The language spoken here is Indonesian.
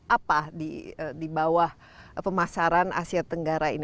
apa di bawah pemasaran asia tenggara ini